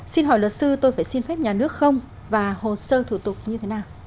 xin hỏi luật sư tôi phải xin phép nhà nước không và hồ sơ thủ tục như thế nào